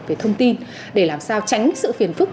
về thông tin để làm sao tránh sự phiền phức